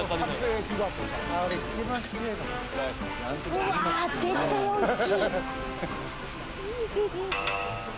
うわ絶対おいしい。